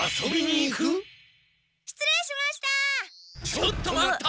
ちょっと待った！